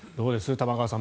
玉川さん